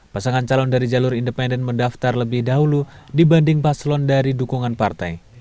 pasangan calon dari jalur independen mendaftar lebih dahulu dibanding paslon dari dukungan partai